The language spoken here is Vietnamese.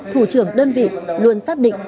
thủ trưởng đơn vị luôn xác định